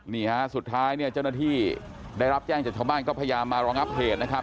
นี่ฮะสุดท้ายเนี่ยเจ้าหน้าที่ได้รับแจ้งจากชาวบ้านก็พยายามมารองับเหตุนะครับ